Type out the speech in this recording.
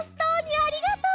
ありがとう！